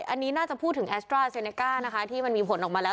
อันนี้น่าจะพูดถึงแอสตราเซเนก้านะคะที่มันมีผลออกมาแล้ว